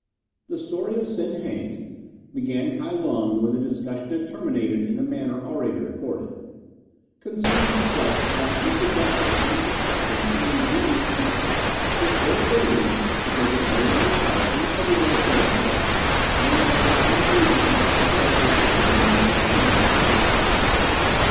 "The story of Sen Heng," began Kai Lung, when the discussion had terminated in the manner already recorded, "concerns itself with one who possessed an unsuspecting and ingenious nature, which ill fitted him to take an ordinary part in the everyday affairs of life, no matter how engaging such a character rendered him among his friends and relations.